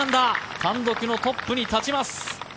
単独のトップに立ちます！